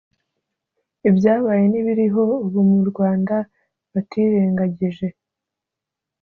ibyabaye n'ibiriho ubu mu rwanda, batirengagije